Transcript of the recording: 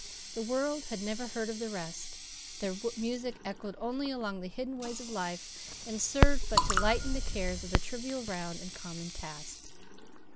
The world had never heard of the rest. Their music echoed only along the hidden ways of life, and served but to lighten the cares of the trivial round and common task.